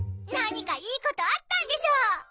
何かいいことあったんでしょ！